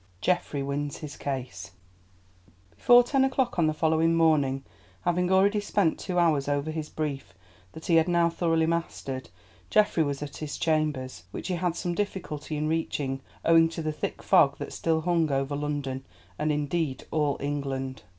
GEOFFREY WINS HIS CASE Before ten o'clock on the following morning, having already spent two hours over his brief, that he had now thoroughly mastered, Geoffrey was at his chambers, which he had some difficulty in reaching owing to the thick fog that still hung over London, and indeed all England.